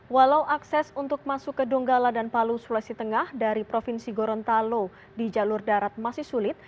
walau akses untuk masuk ke donggala dan palu sulawesi tengah dari provinsi gorontalo di jalur darat masih sulit